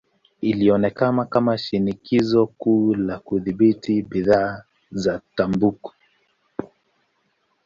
Ilionekana kama shinikizo kuu la kudhibiti bidhaa za tumbaku.